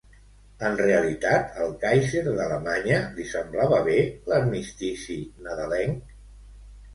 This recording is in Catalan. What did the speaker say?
En realitat al kàiser d'Alemanya li semblava bé l'armistici nadalenc?